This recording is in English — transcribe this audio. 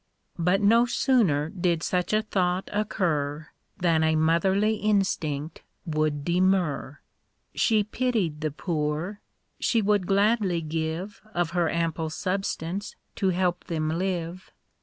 But no sooner did such a thought occur, Than a motherly instinct would demur.. She pitied the poor : she would gladly give Of her ample substance to help them live ; Tilt: BA15V S THINGS.